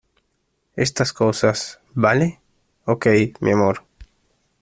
estas cosas, ¿ vale? ok , mi amor.